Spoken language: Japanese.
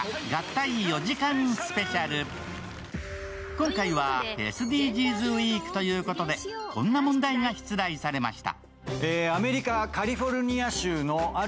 今回はＳＤＧｓウィークということで、こんな問題が出題されました。